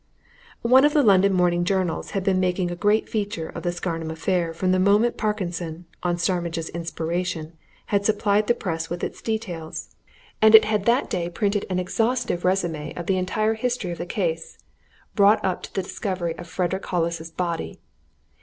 One of the London morning journals had been making a great feature of the Scarnham affair from the moment Parkinson, on Starmidge's inspiration, had supplied the Press with its details, and it had that day printed an exhaustive résumé of the entire history of the case, brought up to the discovery of Frederick Hollis's body.